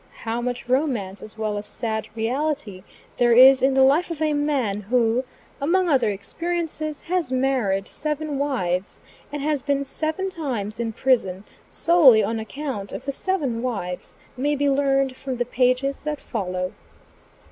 How much romance, as well as sad reality, there is in the life of a man who, among other experiences, has married seven wives, and has been seven times in prison solely on account of the seven wives, may be learned from the pages that follow.